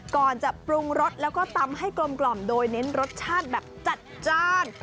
ก่อนจะปรุงรสแล้วก็ตำให้กลมโดยเน้นรสชาติแบบจัดจ้าน